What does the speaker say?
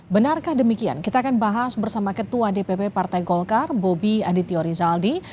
benarkah demikian kita akan bahas bersama ketua dpp partai golkar bobby aditya rizaldi